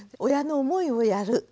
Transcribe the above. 親の思いをやる。